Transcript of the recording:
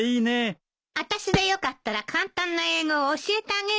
あたしでよかったら簡単な英語を教えてあげるわよ。